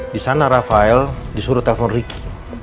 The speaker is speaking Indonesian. di sana rafael disuruh telepon ricky